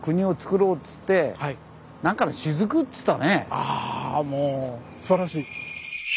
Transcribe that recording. あぁもうすばらしい！